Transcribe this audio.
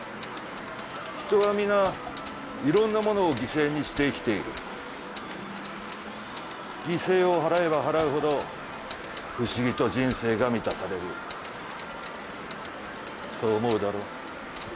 人は皆色んなものを犠牲にして生きている犠牲を払えば払うほど不思議と人生が満たされるそう思うだろ？